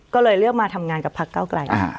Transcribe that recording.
ก็เลยเลือกมาทำงานกับพักเก้าไกล